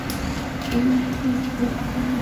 আমার প্রাক্তন স্ত্রী।